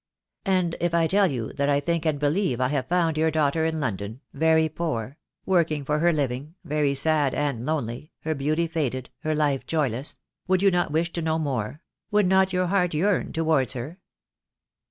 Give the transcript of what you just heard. "And if I tell you that I think and believe I have found your daughter in London — very poor — working for her living, very sad and lonely, her beauty faded, her life joyless — would you not wish to know more — would not your heart yearn towards her?"